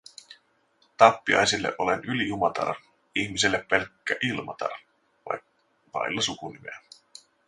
Tappiaisille olen ylijumalatar - ihmisille pelkkä Ilmatar, vailla sukunimeä.